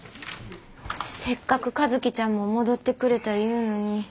せっかく和希ちゃんも戻ってくれたいうのに。